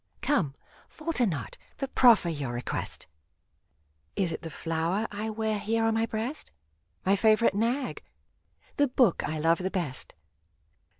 Come ; falter not, but proffer your request ! Is it the flower I wear here on my breast ? My favorite nag ? The book I love the best